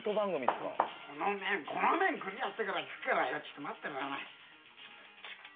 ・この面クリアしてから行くからよちょっと待ってろよ。